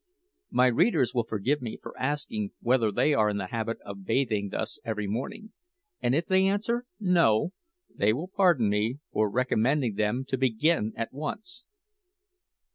My readers will forgive me for asking whether they are in the habit of bathing thus every morning; and if they answer "No", they will pardon me for recommending them to begin at once.